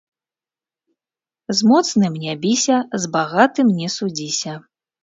З моцным не біся, з багатым не судзіся